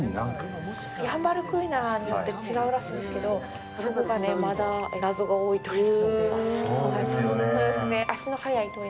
ヤンバルクイナによって違うらしいんですがまだ謎が多いという。